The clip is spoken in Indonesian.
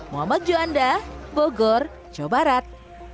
muhammad juanda bogor jawa barat